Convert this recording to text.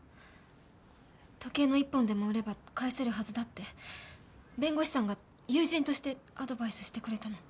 時計の１本でも売れば返せるはずだって弁護士さんが友人としてアドバイスしてくれたの。